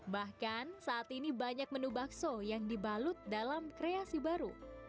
bahkan saat ini banyak menu bakso yang dibalut dalam kreasi baru